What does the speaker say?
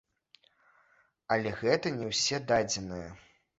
Але гэта не ўсе дадзеныя.